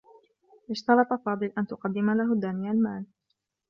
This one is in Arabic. اشترط فاضل أن تقدّم له دانية المال.